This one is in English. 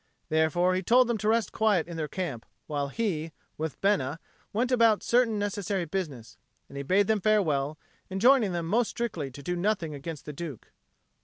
Therefore he told them to rest quiet in their camp, while he, with Bena, went about certain necessary business; and he bade them farewell, enjoining them most strictly to do nothing against the Duke.